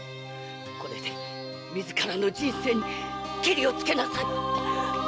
これでみずからの人生にケリをつけなさい！